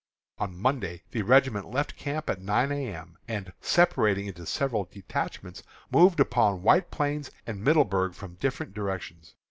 On Monday the regiment left camp at nine A. M., and, separating into several detachments, moved upon White Plains and Middleburg from different directions.